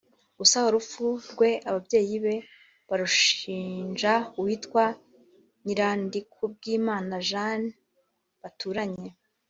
gusa urupfu rwe ababyeyi be barushinja uwitwa Nyirandikubwimana Jeanne baturanye